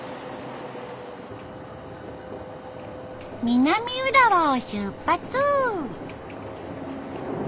南浦和を出発！